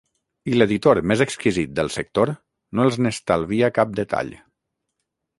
I l'editor més exquisit del sector no els n'estalvia cap detall.